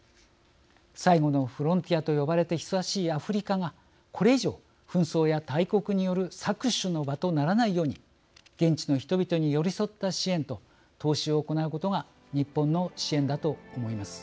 「最後のフロンティア」と呼ばれて久しいアフリカがこれ以上、紛争や大国による搾取の場とならないように現地の人々に寄り添った支援と投資を行うことが日本の支援だと思います。